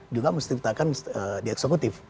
juga menciptakan di eksekutif